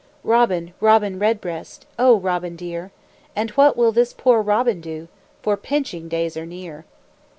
Robin, Robin Redbreast, O Robin dear! And what will this poor robin do? For pinching days are near.